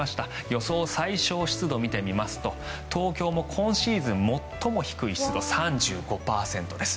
予想最小湿度を見てみますと東京も今シーズン最も低い湿度３５％です。